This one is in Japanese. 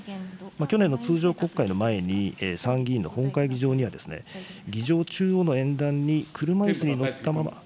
去年の通常国会の前に、参議院の本会議場には、議場中央の演壇に車いすに乗ったまま。